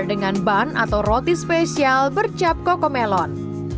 dengan bun atau roti spesial bercap coco melon